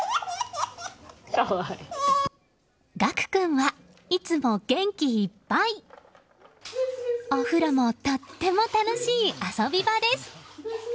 岳君はいつも元気いっぱい！お風呂もとっても楽しい遊び場です。